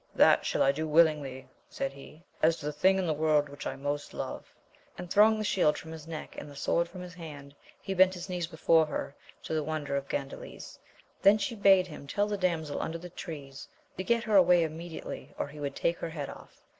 That shall I do willingly, said he, as to the thing in the world which I most love : and throwing the shield from his neck, and the sword from his hand, he bent his knees before her, to the wonder of Gandales ; then she bade him tell the damsel under the trees, to get her away immediately, or he would take her head off.